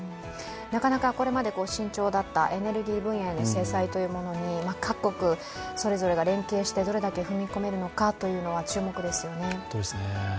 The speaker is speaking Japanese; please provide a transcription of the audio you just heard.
なかなかこれまで慎重だったエネルギー分野への制裁というものに各国それぞれが連携して、どれだけ踏み込めるのかというのは注目ですよね。